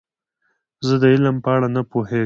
زه د علم په اړه نه پوهیږم.